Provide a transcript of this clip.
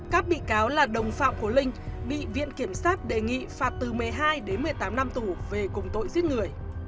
các bị cáo là đồng phạm của linh bị viện kiểm sát đề nghị phạt từ một mươi hai đến một mươi tám năm tù về cùng tội giết người